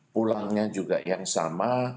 pulangnya juga yang sama